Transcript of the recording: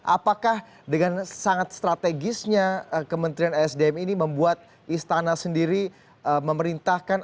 apakah dengan sangat strategisnya kementerian sdm ini membuat istana sendiri memerintahkan